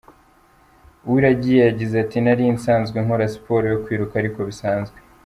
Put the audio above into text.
Uwiragiye yagize ati “Nari nsanzwe nkora siporo yo kwiruka ariko bisanzwe.